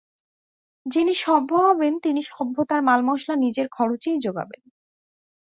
যিনি সভ্য হবেন তিনি সভ্যতার মালমশলা নিজের খরচেই জোগাবেন।